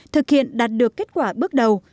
thực hiện đạt được kết quả bước đầu